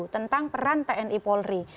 tentang peran tni polri